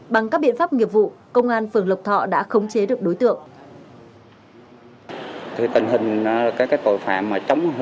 bằng các biện pháp nghiệp vụ công an phường lộc thọ đã khống chế được đối tượng